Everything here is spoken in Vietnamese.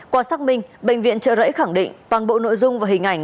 qua xác minh bệnh viện trợ rẫy khẳng định toàn bộ nội dung và hình ảnh